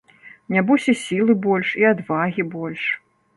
Нябось і сілы больш, і адвагі больш.